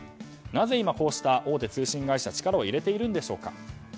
なぜ今大手通信会社が力を入れているのでしょうか。